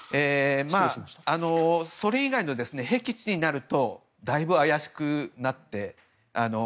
それ以外のへき地になるとだいぶ怪しくなって。